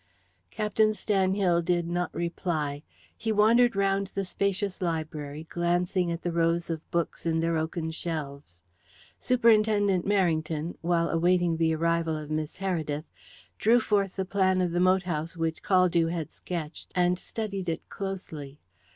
Captain Stanhill did not reply. He wandered round the spacious library, glancing at the rows of books in their oaken shelves. Superintendent Merrington, while awaiting the arrival of Miss Heredith, drew forth the plan of the moat house which Caldew had sketched, and studied it closely.